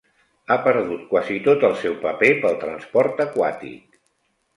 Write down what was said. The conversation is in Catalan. Ha perdut quasi tot el seu paper pel transport aquàtic.